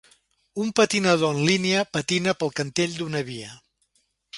Un patinador en línia patina pel cantell d'una via.